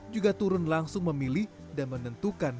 juga turun langsung memilih dan menentukan